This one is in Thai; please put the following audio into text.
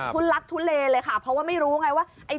ทุนลักษณ์ทุนเลเลยค่ะเพราะไม่รู้ว่าไงว่าย